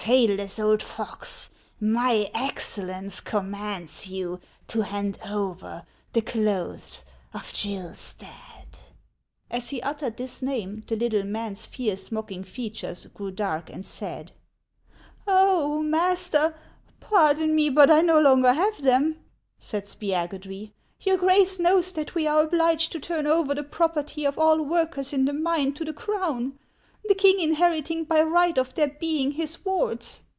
" Tailless old fox, my Excellence commands you to hand over the clothes of Gill Stadt." As he uttered this name, the little man's fierce, mocking features grew dark and sad. " Oh, master, pardon me, but I no longer have them !" said Spiagudry. " Your Grace knows that we are obliged to turn over the property of all workers in the mine to the Crown, the king inheriting by right of their being his wards."